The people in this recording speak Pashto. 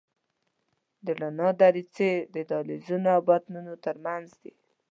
د زړه دریڅې د دهلیزونو او بطنونو تر منځ دي.